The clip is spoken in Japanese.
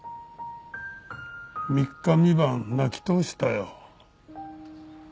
三日三晩泣きとおしたよ。